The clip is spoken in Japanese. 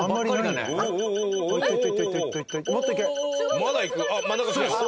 まだいく。